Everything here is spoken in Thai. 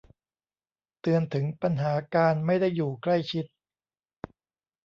เตือนถึงปัญหาการไม่ได้อยู่ใกล้ชิด